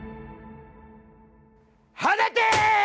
放て！